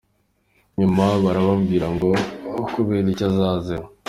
Nyuma barabimbwira ngo kureba icyo azira.